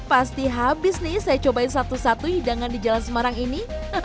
pasti habis nih saya cobain satu satu hidangan di jalan semarang ini